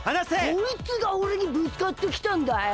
こいつがおれにぶつかってきたんだよ。